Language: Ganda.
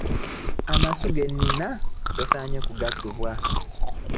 Amasu ge nnina tosaanye kugasubwa.